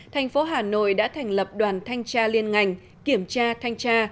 thành phố hà nội đã thành lập đoàn thanh tra liên ngành kiểm tra thanh tra